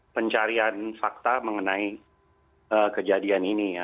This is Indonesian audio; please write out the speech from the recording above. pencarian fakta mengenai kejadian ini ya